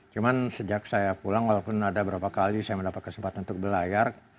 cuman sejak saya pulang walaupun ada beberapa kali saya mendapat kesempatan untuk belayar